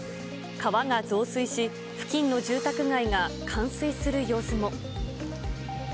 川が増水し、付近の住宅街が冠水する様子も。